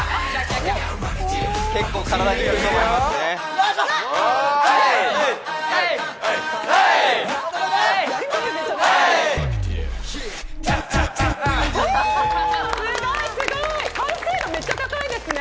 結構、体にくると思いますね。